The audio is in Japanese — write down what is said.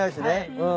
うん。